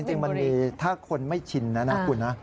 แต่จริงมันมีถ้าคนไม่ชินนะนาขุน